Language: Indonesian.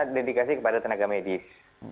dedikasi kepada tenaga medis